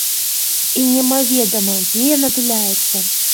І немаведама, дзе яна туляецца.